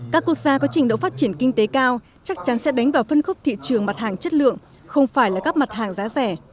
các quốc gia có trình độ phát triển kinh tế cao chắc chắn sẽ đánh vào phân khúc thị trường mặt hàng chất lượng không phải là các mặt hàng giá rẻ